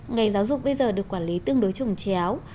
ngành giáo dục bây giờ được quản lý tương đối trồng chéo